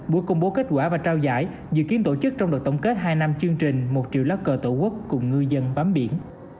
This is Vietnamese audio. buổi công bố kết quả và trao giải dự kiến tổ chức trong đợt tổng kết hai năm chương trình một triệu lá cờ tổ quốc cùng ngư dân bám biển